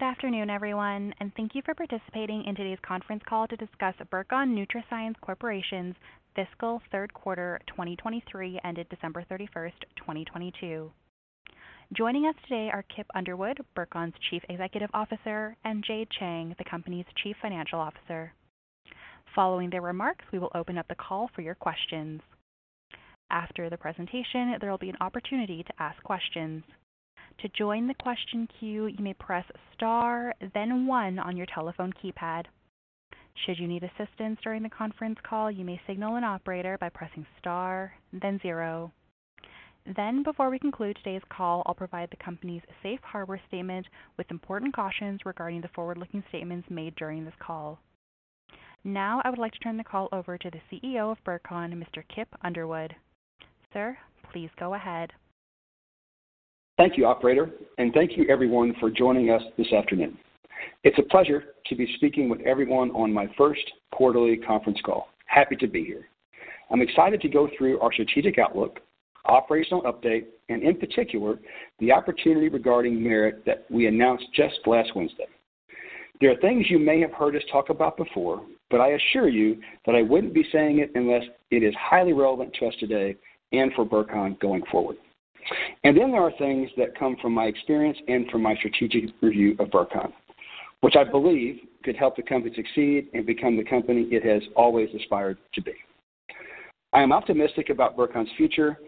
Good afternoon, everyone, thank you for participating in today's conference call to discuss Burcon NutraScience Corporation's fiscal third quarter 2023 ended December 31st, 2022. Joining us today are Kip Underwood, Burcon's Chief Executive Officer, and Jade Cheng, the company's Chief Financial Officer. Following their remarks, we will open up the call for your questions. After the presentation, there will be an opportunity to ask questions. To join the question queue, you may press star then one on your telephone keypad. Should you need assistance during the conference call, you may signal an operator by pressing star then zero. Before we conclude today's call, I'll provide the company's safe harbor statement with important cautions regarding the forward-looking statements made during this call. I would like to turn the call over to the CEO of Burcon, Mr. Kip Underwood. Sir, please go ahead. Thank you, operator, and thank you everyone for joining us this afternoon. It's a pleasure to be speaking with everyone on my first quarterly conference call. Happy to be here. I'm excited to go through our strategic outlook, operational update, and in particular, the opportunity regarding Merit that we announced just last Wednesday. There are things you may have heard us talk about before, but I assure you that I wouldn't be saying it unless it is highly relevant to us today and for Burcon going forward. There are things that come from my experience and from my strategic review of Burcon, which I believe could help the company succeed and become the company it has always aspired to be. I am optimistic about Burcon's future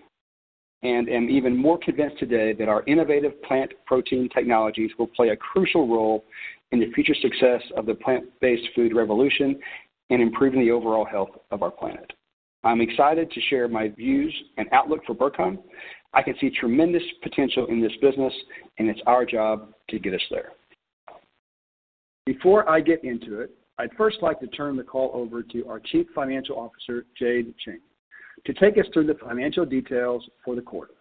and am even more convinced today that our innovative plant protein technologies will play a crucial role in the future success of the plant-based food revolution and improving the overall health of our planet. I'm excited to share my views and outlook for Burcon. I can see tremendous potential in this business, and it's our job to get us there. Before I get into it, I'd first like to turn the call over to our Chief Financial Officer, Jade Cheng, to take us through the financial details for the quarter.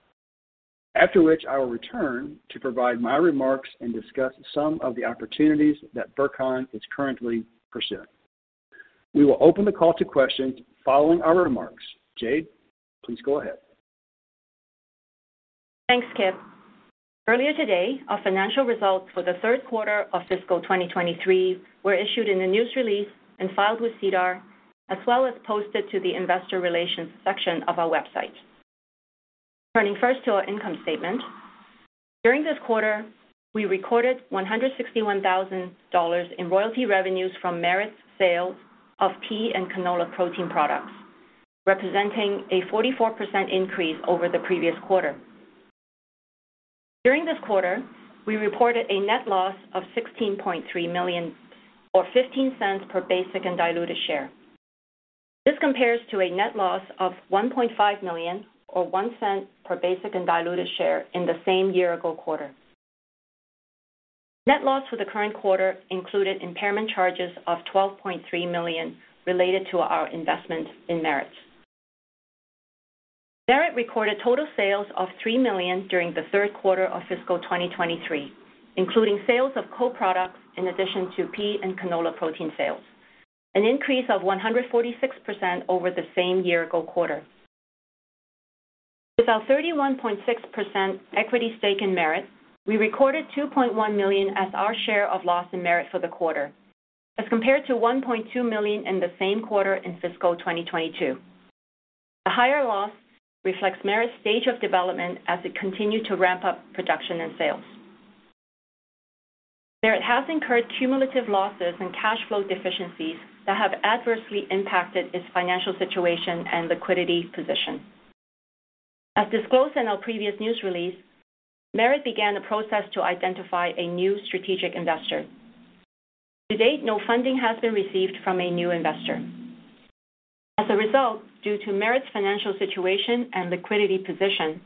After which, I will return to provide my remarks and discuss some of the opportunities that Burcon is currently pursuing. We will open the call to questions following our remarks. Jade, please go ahead. Thanks, Kip. Earlier today, our financial results for the third quarter of fiscal 2023 were issued in a news release and filed with SEDAR as well as posted to the investor relations section of our website. Turning first to our income statement. During this quarter, we recorded 161,000 dollars in royalty revenues from Merit's sale of pea and canola protein products, representing a 44% increase over the previous quarter. During this quarter, we reported a net loss of 16.3 million or 0.15 per basic and diluted share. This compares to a net loss of 1.5 million or 0.01 per basic and diluted share in the same year-ago quarter. Net loss for the current quarter included impairment charges of CAD 12.3 million related to our investment in Merit. Merit recorded total sales of three million during the third quarter of fiscal 2023, including sales of co-products in addition to pea and canola protein sales, an increase of 146% over the same year-ago quarter. With our 31.6% equity stake in Merit, we recorded 2.1 million as our share of loss in Merit for the quarter as compared to 1.2 million in the same quarter in fiscal 2022. The higher loss reflects Merit's stage of development as it continued to ramp up production and sales. Merit has incurred cumulative losses and cash flow deficiencies that have adversely impacted its financial situation and liquidity position. As disclosed in our previous news release, Merit began a process to identify a new strategic investor. To date, no funding has been received from a new investor. Due to Merit's financial situation and liquidity position,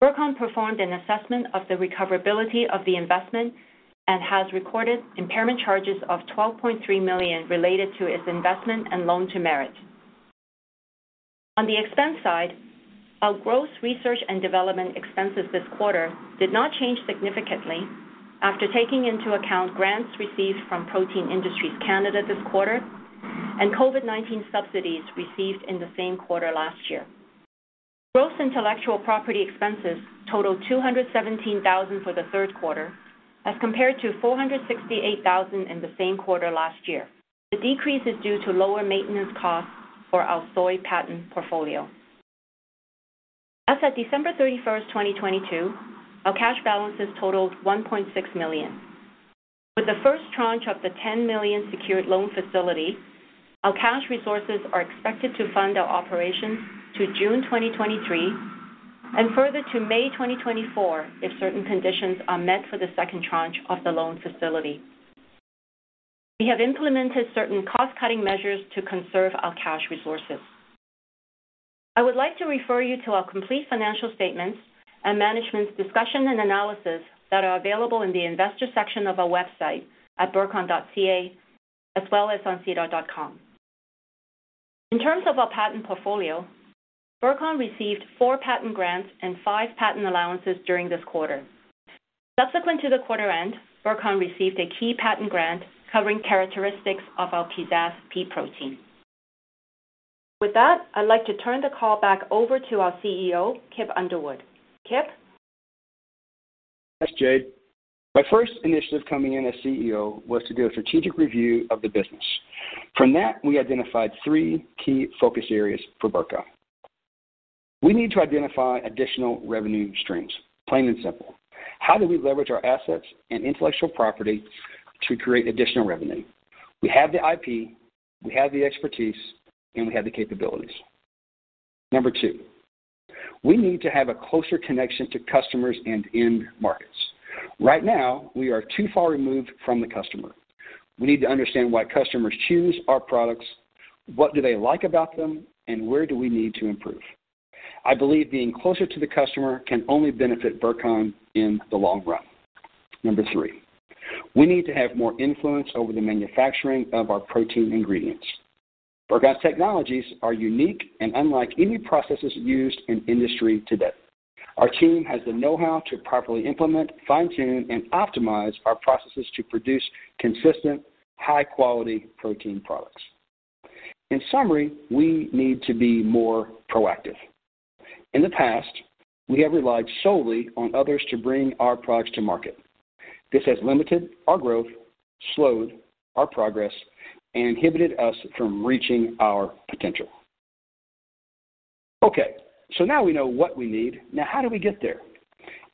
Burcon performed an assessment of the recoverability of the investment and has recorded impairment charges of 12.3 million related to its investment and loan to Merit. On the expense side, our gross research and development expenses this quarter did not change significantly after taking into account grants received from Protein Industries Canada this quarter and COVID-19 subsidies received in the same quarter last year. Gross intellectual property expenses totaled 217,000 for the third quarter as compared to 468,000 in the same quarter last year. The decrease is due to lower maintenance costs for our soy patent portfolio. As of December 31, 2022, our cash balances totaled 1.6 million. With the first tranche of the 10 million secured loan facility, our cash resources are expected to fund our operations to June 2023 and further to May 2024 if certain conditions are met for the second tranche of the loan facility. We have implemented certain cost-cutting measures to conserve our cash resources. I would like to refer you to our complete financial statements and management's discussion and analysis that are available in the investor section of our website at burcon.ca as well as on sedar.com. In terms of our patent portfolio, Burcon received four patent grants and five patent allowances during this quarter. Subsequent to the quarter end, Burcon received a key patent grant covering characteristics of our Peazazz pea protein. With that, I'd like to turn the call back over to our CEO, Kip Underwood. Kip? Thanks, Jade. My first initiative coming in as CEO was to do a strategic review of the business. From that, we identified three key focus areas for Burcon. We need to identify additional revenue streams, plain and simple. How do we leverage our assets and intellectual property to create additional revenue? We have the IP, we have the expertise, and we have the capabilities. Number two, we need to have a closer connection to customers and end markets. Right now, we are too far removed from the customer. We need to understand why customers choose our products, what do they like about them, and where do we need to improve. I believe being closer to the customer can only benefit Burcon in the long run. Number three, we need to have more influence over the manufacturing of our protein ingredients. Burcon's technologies are unique and unlike any processes used in industry today. Our team has the know-how to properly implement, fine-tune, and optimize our processes to produce consistent, high-quality protein products. In summary, we need to be more proactive. In the past, we have relied solely on others to bring our products to market. This has limited our growth, slowed our progress, and inhibited us from reaching our potential. Now we know what we need. Now how do we get there?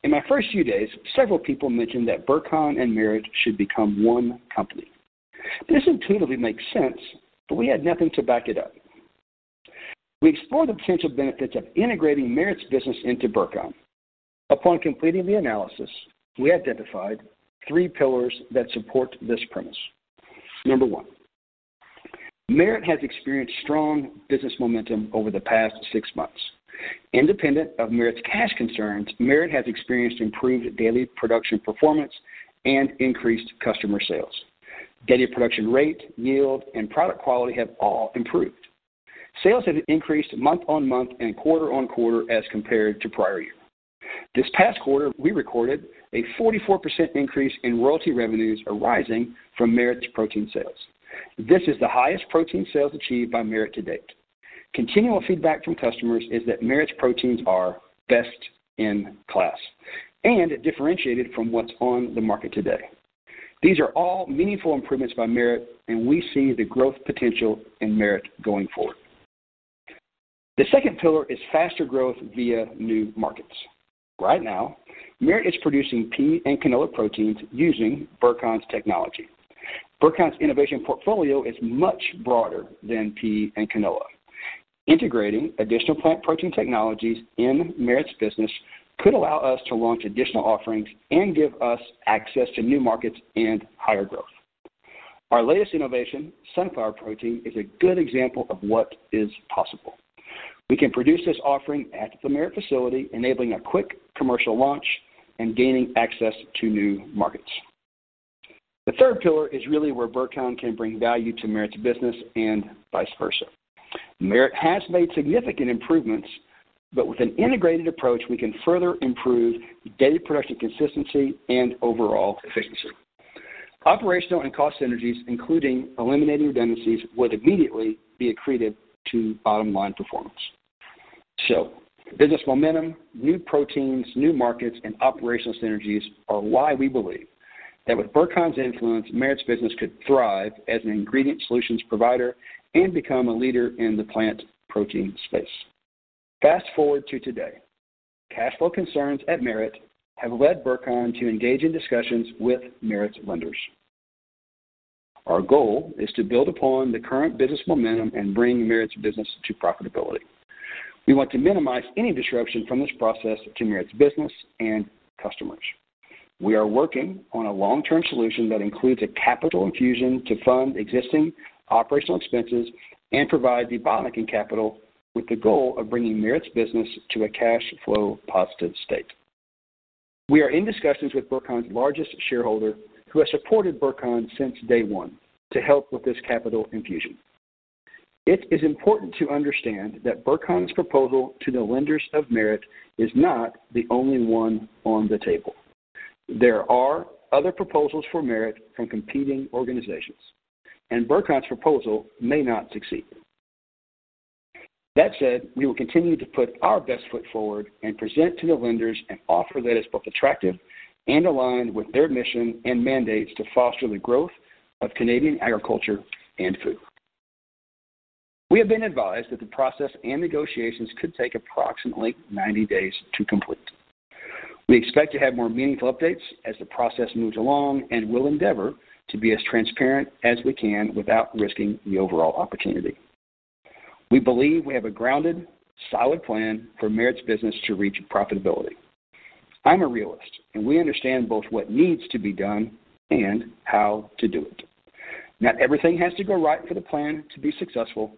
In my first few days, several people mentioned that Burcon and Merit should become one company. This intuitively makes sense. We had nothing to back it up. We explored the potential benefits of integrating Merit's business into Burcon. Upon completing the analysis, we identified three pillars that support this premise. Number one, Merit has experienced strong business momentum over the past six months. Independent of Merit's cash concerns, Merit has experienced improved daily production performance and increased customer sales. Daily production rate, yield, and product quality have all improved. Sales have increased month-on-month and quarter-on-quarter as compared to prior year. This past quarter, we recorded a 44% increase in royalty revenues arising from Merit's protein sales. This is the highest protein sales achieved by Merit to date. Continual feedback from customers is that Merit's proteins are best in class and differentiated from what's on the market today. These are all meaningful improvements by Merit. We see the growth potential in Merit going forward. The second pillar is faster growth via new markets. Right now, Merit is producing pea and canola proteins using Burcon's technology. Burcon's innovation portfolio is much broader than pea and canola. Integrating additional plant protein technologies in Merit's business could allow us to launch additional offerings and give us access to new markets and higher growth. Our latest innovation, sunflower protein, is a good example of what is possible. We can produce this offering at the Merit facility, enabling a quick commercial launch and gaining access to new markets. The third pillar is really where Burcon can bring value to Merit's business and vice versa. Merit has made significant improvements, but with an integrated approach, we can further improve daily production consistency and overall efficiency. Operational and cost synergies, including eliminating redundancies, would immediately be accreted to bottom line performance. Business momentum, new proteins, new markets, and operational synergies are why we believe that with Burcon's influence, Merit's business could thrive as an ingredient solutions provider and become a leader in the plant protein space. Fast-forward to today. Cash flow concerns at Merit have led Burcon to engage in discussions with Merit's lenders. Our goal is to build upon the current business momentum and bring Merit's business to profitability. We want to minimize any disruption from this process to Merit's business and customers. We are working on a long-term solution that includes a capital infusion to fund existing operational expenses and provide the bottleneck in capital with the goal of bringing Merit's business to a cash flow positive state. We are in discussions with Burcon's largest shareholder, who has supported Burcon since day one, to help with this capital infusion. It is important to understand that Burcon's proposal to the lenders of Merit is not the only one on the table. There are other proposals for Merit from competing organizations. Burcon's proposal may not succeed. That said, we will continue to put our best foot forward and present to the lenders an offer that is both attractive and aligned with their mission and mandates to foster the growth of Canadian agriculture and food. We have been advised that the process and negotiations could take approximately 90 days to complete. We expect to have more meaningful updates as the process moves along and will endeavor to be as transparent as we can without risking the overall opportunity. We believe we have a grounded, solid plan for Merit's business to reach profitability. I'm a realist, and we understand both what needs to be done and how to do it. Not everything has to go right for the plan to be successful.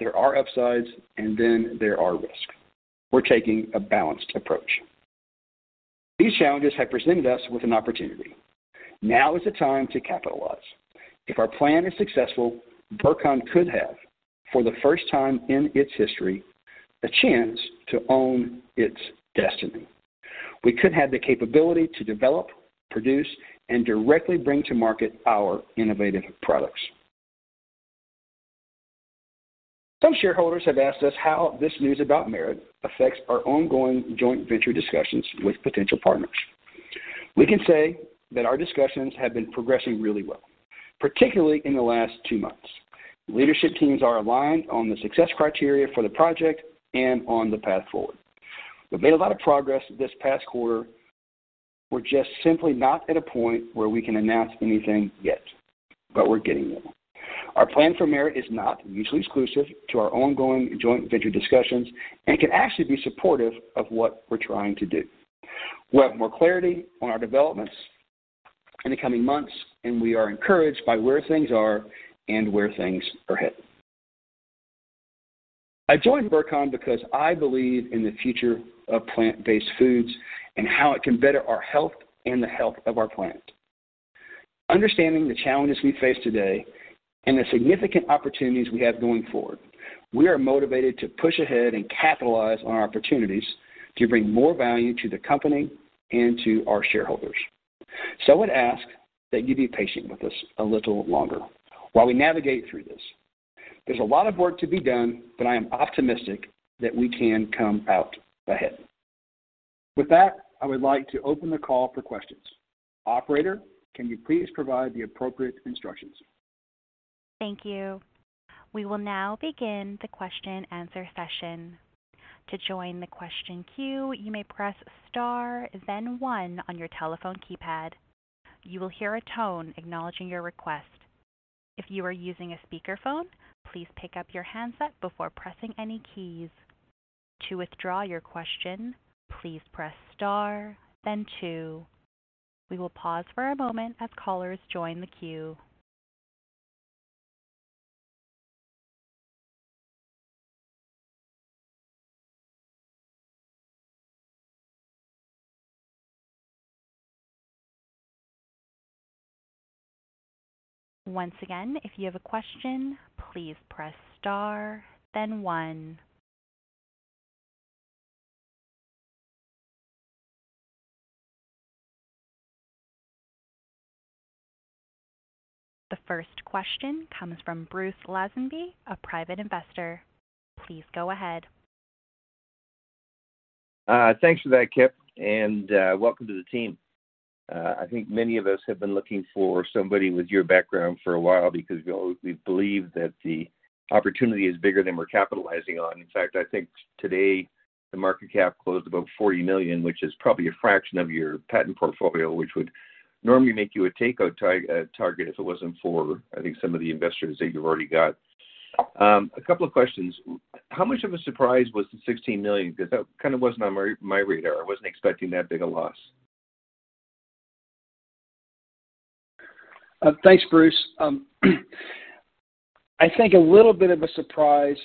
There are upsides and then there are risks. We're taking a balanced approach. These challenges have presented us with an opportunity. Now is the time to capitalize. If our plan is successful, Burcon could have, for the first time in its history, a chance to own its destiny. We could have the capability to develop, produce, and directly bring to market our innovative products. Some shareholders have asked us how this news about Merit affects our ongoing joint venture discussions with potential partners. We can say that our discussions have been progressing really well, particularly in the last 2 months. Leadership teams are aligned on the success criteria for the project and on the path forward. We've made a lot of progress this past quarter. We're just simply not at a point where we can announce anything yet, but we're getting there. Our plan for Merit is not mutually exclusive to our ongoing joint venture discussions and can actually be supportive of what we're trying to do. We'll have more clarity on our developments in the coming months, and we are encouraged by where things are and where things are headed. I joined Burcon because I believe in the future of plant-based foods and how it can better our health and the health of our planet. Understanding the challenges we face today and the significant opportunities we have going forward, we are motivated to push ahead and capitalize on our opportunities to bring more value to the company and to our shareholders. I would ask that you be patient with us a little longer while we navigate through this. There's a lot of work to be done, but I am optimistic that we can come out ahead. With that, I would like to open the call for questions. Operator, can you please provide the appropriate instructions? Thank you. We will now begin the question-answer session. To join the question queue, you may press Star then one on your telephone keypad. You will hear a tone acknowledging your request. If you are using a speakerphone, please pick up your handset before pressing any keys. To withdraw your question, please press Star then two. We will pause for a moment as callers join the queue. Once again, if you have a question, please press Star then one. The first question comes from Bruce Lazenby, a private investor. Please go ahead. Thanks for that, Kip, welcome to the team. I think many of us have been looking for somebody with your background for a while because we believe that the opportunity is bigger than we're capitalizing on. In fact, I think today the market cap closed above 40 million, which is probably a fraction of your patent portfolio, which would normally make you a takeout target if it wasn't for, I think, some of the investors that you've already got. A couple of questions. How much of a surprise was the 16 million? That kind of wasn't on my radar. I wasn't expecting that big a loss. Thanks, Bruce. I think a little bit of a surprise,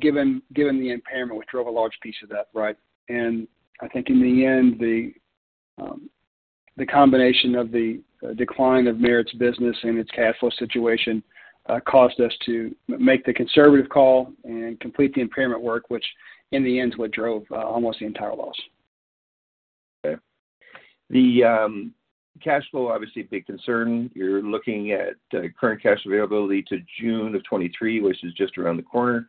given the impairment, which drove a large piece of that, right? I think in the end, the combination of the decline of Merit's business and its cash flow situation, caused us to make the conservative call and complete the impairment work, which in the end is what drove, almost the entire loss. Okay. The cash flow, obviously a big concern. You're looking at current cash availability to June of 2023, which is just around the corner.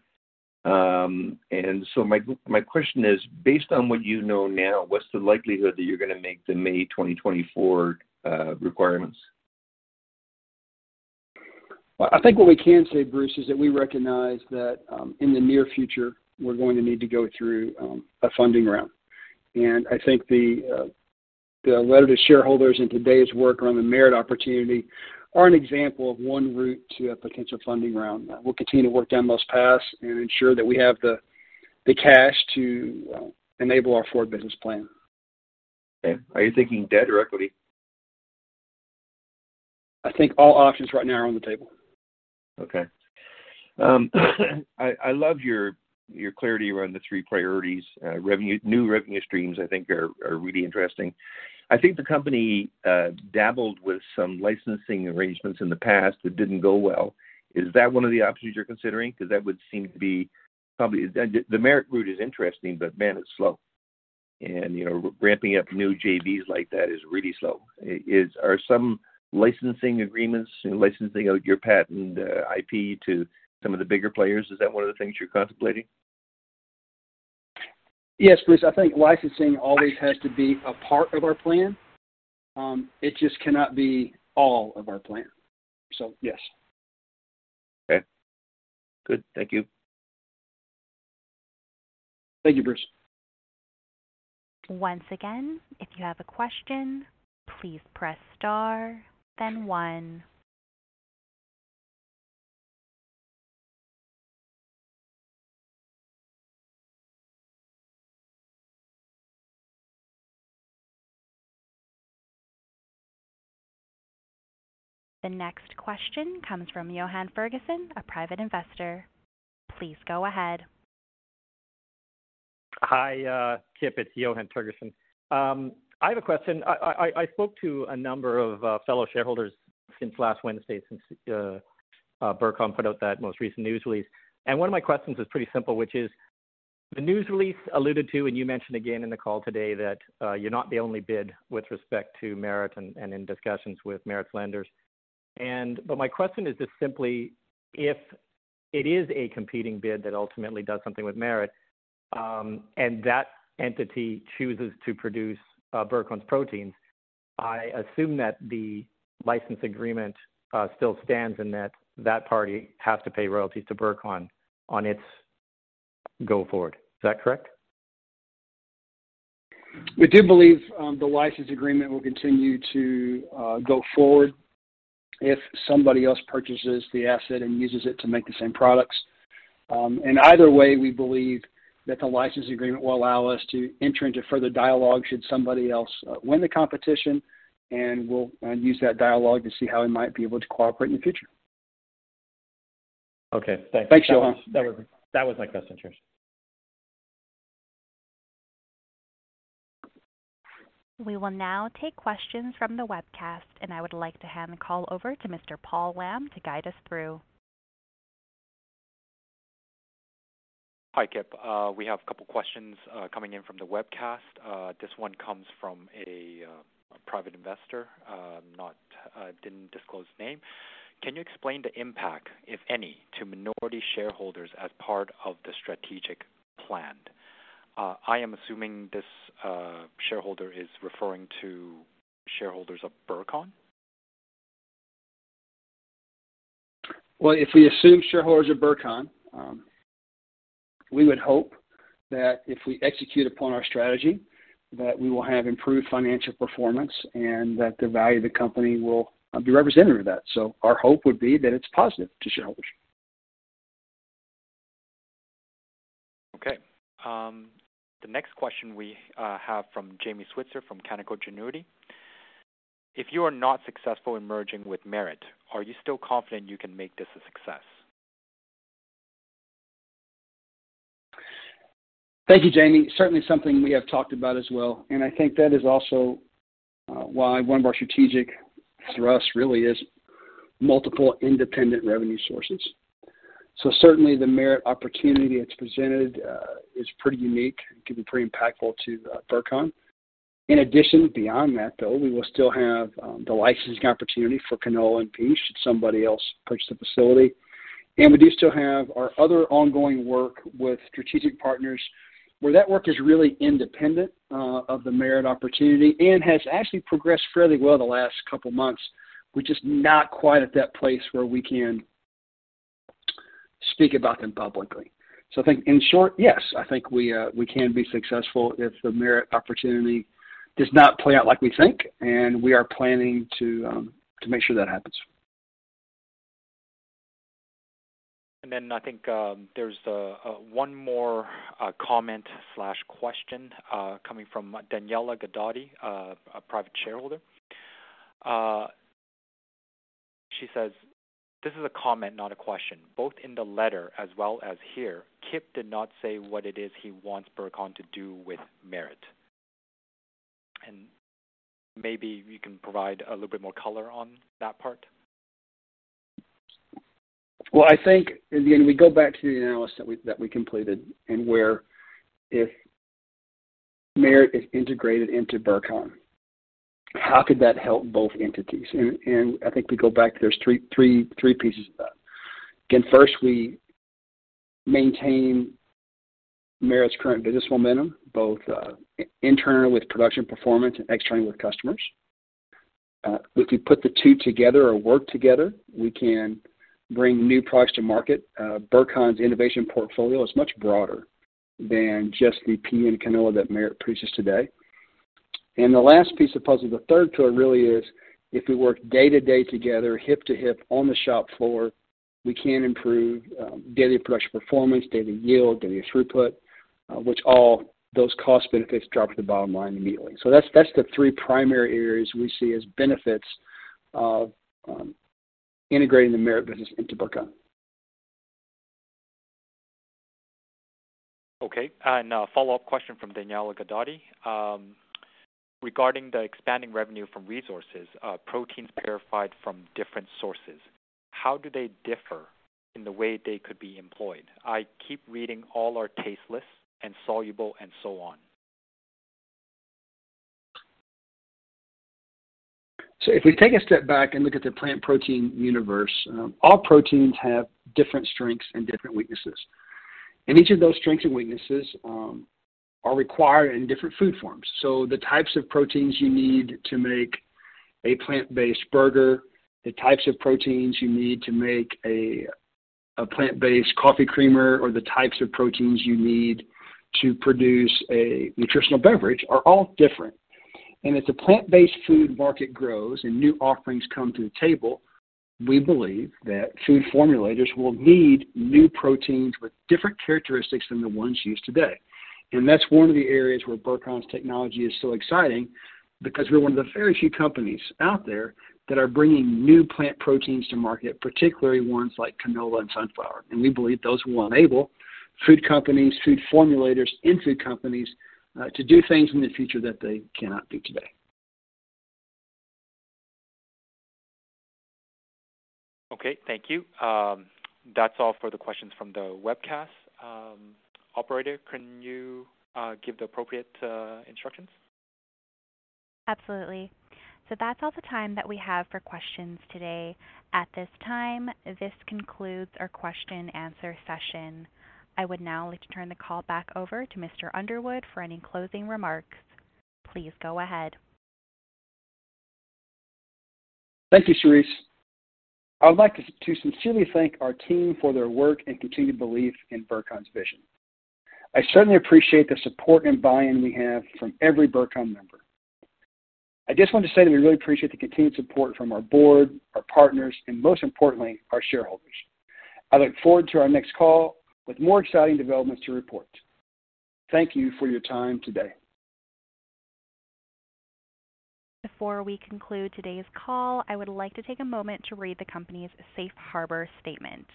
My question is, based on what you know now, what's the likelihood that you're gonna make the May 2024 requirements? Well, I think what we can say, Bruce, is that we recognize that, in the near future, we're going to need to go through a funding round. I think the letter to shareholders and today's work around the Merit opportunity are an example of one route to a potential funding round. We'll continue to work down those paths and ensure that we have the cash to enable our forward business plan. Okay. Are you thinking debt or equity? I think all options right now are on the table. Okay. I love your clarity around the three priorities. New revenue streams I think are really interesting. I think the company dabbled with some licensing arrangements in the past that didn't go well. Is that one of the options you're considering? 'Cause that would seem to be probably. The, the Merit route is interesting, but man, it's slow. You know, ramping up new JVs like that is really slow. Are some licensing agreements and licensing out your patent, IP to some of the bigger players, is that one of the things you're contemplating? Yes, Bruce. I think licensing always has to be a part of our plan. It just cannot be all of our plan. Yes. Okay. Good. Thank you. Thank you, Bruce. Once again, if you have a question, please press Star then one. The next question comes from Johann Ferguson, a private investor. Please go ahead. Hi, Kip. It's Johann Ferguson. I have a question. I spoke to a number of fellow shareholders since last Wednesday since. Burcon put out that most recent news release. One of my questions is pretty simple, which is, the news release alluded to, and you mentioned again in the call today that you're not the only bid with respect to Merit and in discussions with Merit's lenders. My question is just simply, if it is a competing bid that ultimately does something with Merit, and that entity chooses to produce Burcon's proteins, I assume that the license agreement still stands and that that party has to pay royalties to Burcon on its go forward. Is that correct? We do believe the license agreement will continue to go forward if somebody else purchases the asset and uses it to make the same products. Either way, we believe that the license agreement will allow us to enter into further dialogue should somebody else win the competition, and we'll use that dialogue to see how we might be able to cooperate in the future. Okay. Thanks. Thanks, Johann. That was my best interest. We will now take questions from the webcast, and I would like to hand the call over to Mr. Paul Lam to guide us through. Hi, Kip. We have a couple questions coming in from the webcast. This one comes from a private investor, not didn't disclose the name. Can you explain the impact, if any, to minority shareholders as part of the strategic plan? I am assuming this shareholder is referring to shareholders of Burcon. If we assume shareholders of Burcon, we would hope that if we execute upon our strategy, that we will have improved financial performance and that the value of the company will be representative of that. Our hope would be that it's positive to shareholders. Okay. The next question we have from Jamie Switzer from Canaccord Genuity. If you are not successful in merging with Merit, are you still confident you can make this a success? Thank you, Jamie. Certainly something we have talked about as well. I think that is also why one of our strategic thrusts really is multiple independent revenue sources. Certainly the Merit opportunity it's presented is pretty unique. It can be pretty impactful to Burcon. In addition, beyond that though, we will still have the licensing opportunity for canola and pea should somebody else purchase the facility. We do still have our other ongoing work with strategic partners where that work is really independent of the Merit opportunity and has actually progressed fairly well the last couple months. We're just not quite at that place where we can speak about them publicly. I think in short, yes, I think we can be successful if the Merit opportunity does not play out like we think, and we are planning to make sure that happens. I think there's one more comment/question coming from Daniela Gododi, a private shareholder. She says, "This is a comment, not a question. Both in the letter as well as here, Kip did not say what it is he wants Burcon to do with Merit." Maybe you can provide a little bit more color on that part. Well, I think in the end, we go back to the analysis that we completed and where if Merit is integrated into Burcon, how could that help both entities? I think we go back, there's 3 pieces of that. Again, first, we maintain Merit's current business momentum, both internally with production performance and externally with customers. If you put the two together or work together, we can bring new products to market. Burcon's innovation portfolio is much broader than just the pea and canola that Merit produces today. The last piece of puzzle, the third pillar really is if we work day-to-day together, hip-to-hip on the shop floor, we can improve daily production performance, daily yield, daily throughput, which all those cost benefits drop to the bottom line immediately. That's the three primary areas we see as benefits of integrating the Merit business into Burcon. Okay. A follow-up question from Daniela Gododi. Regarding the expanding revenue from resources, proteins purified from different sources, how do they differ in the way they could be employed? I keep reading all are tasteless and soluble and so on. If we take a step back and look at the plant protein universe, all proteins have different strengths and different weaknesses. Each of those strengths and weaknesses are required in different food forms. The types of proteins you need to make a plant-based burger, the types of proteins you need to make a plant-based coffee creamer, or the types of proteins you need to produce a nutritional beverage are all different. As the plant-based food market grows and new offerings come to the table, we believe that food formulators will need new proteins with different characteristics than the ones used today. That's one of the areas where Burcon's technology is so exciting because we're one of the very few companies out there that are bringing new plant proteins to market, particularly ones like canola and sunflower. We believe those will enable food companies, food formulators in food companies, to do things in the future that they cannot do today. Okay. Thank you. That's all for the questions from the webcast. Operator, can you give the appropriate instructions? Absolutely. That's all the time that we have for questions today. At this time, this concludes our question and answer session. I would now like to turn the call back over to Mr. Underwood for any closing remarks. Please go ahead. Thank you, Charisse. I would like to sincerely thank our team for their work and continued belief in Burcon's vision. I certainly appreciate the support and buy-in we have from every Burcon member. I just want to say that we really appreciate the continued support from our board, our partners, and most importantly, our shareholders. I look forward to our next call with more exciting developments to report. Thank you for your time today. Before we conclude today's call, I would like to take a moment to read the company's safe harbor statement.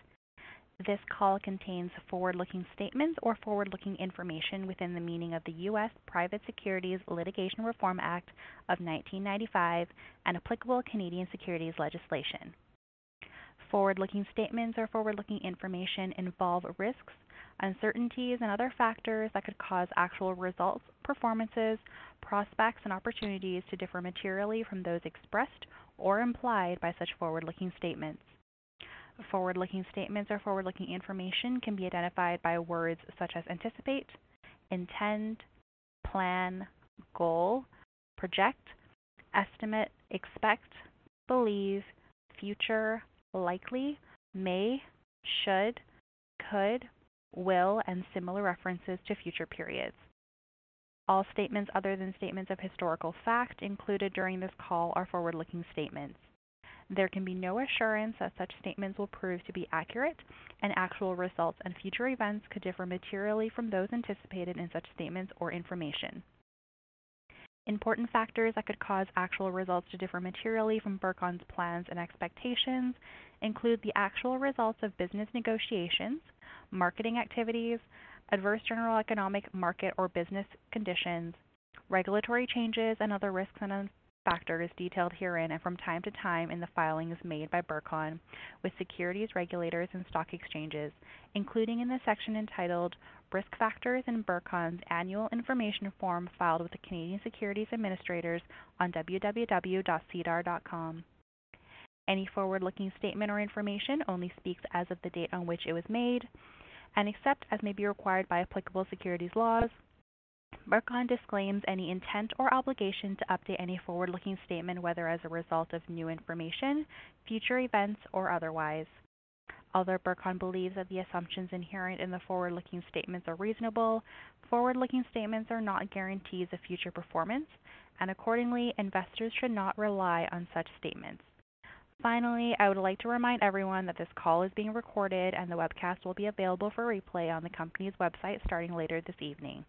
This call contains forward-looking statements or forward-looking information within the meaning of the US Private Securities Litigation Reform Act of 1995 and applicable Canadian securities legislation. Forward-looking statements or forward-looking information involve risks, uncertainties, and other factors that could cause actual results, performances, prospects, and opportunities to differ materially from those expressed or implied by such forward-looking statements. Forward-looking statements or forward-looking information can be identified by words such as anticipate, intend, plan, goal, project, estimate, expect, believe, future, likely, may, should, could, will, and similar references to future periods. All statements other than statements of historical fact included during this call are forward-looking statements. There can be no assurance that such statements will prove to be accurate, and actual results and future events could differ materially from those anticipated in such statements or information. Important factors that could cause actual results to differ materially from Burcon's plans and expectations include the actual results of business negotiations, marketing activities, adverse general economic market or business conditions, regulatory changes, and other risks and factors detailed herein and from time to time in the filings made by Burcon with securities regulators and stock exchanges, including in the section entitled "Risk Factors" in Burcon's Annual Information Form filed with the Canadian Securities Administrators on www.sedar.com. Any forward-looking statement or information only speaks as of the date on which it was made. Except as may be required by applicable securities laws, Burcon disclaims any intent or obligation to update any forward-looking statement, whether as a result of new information, future events, or otherwise. Although Burcon believes that the assumptions inherent in the forward-looking statements are reasonable, forward-looking statements are not guarantees of future performance, and accordingly, investors should not rely on such statements. Finally, I would like to remind everyone that this call is being recorded, and the webcast will be available for replay on the company's website starting later this evening.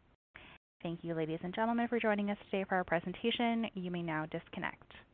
Thank you, ladies and gentlemen, for joining us today for our presentation. You may now disconnect.